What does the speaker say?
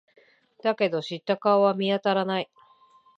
だけど、知った顔は見当たらない。